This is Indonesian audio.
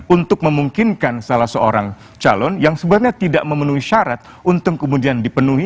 untuk memungkinkan salah seorang calon yang sebenarnya tidak memenuhi syarat untuk kemudian dipenuhi